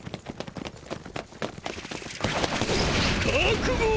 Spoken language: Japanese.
・覚悟！